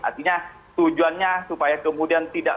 artinya tujuannya supaya kemudian tidak